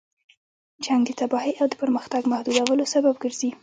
جنګ د تباهۍ او د پرمختګ محدودولو سبب ګرځي.